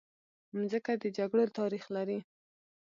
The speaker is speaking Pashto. مځکه د جګړو تاریخ لري.